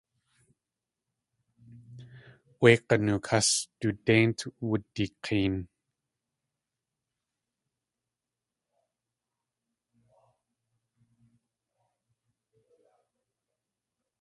Wé g̲anook has du déint wudik̲een.